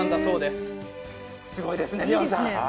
すごいですね。